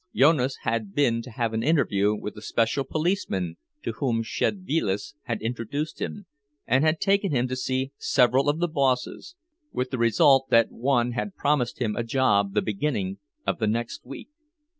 Jonas had been to have an interview with the special policeman to whom Szedvilas had introduced him, and had been taken to see several of the bosses, with the result that one had promised him a job the beginning of the next week.